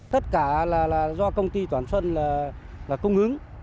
tất cả là do công ty toàn xuân là cung ứng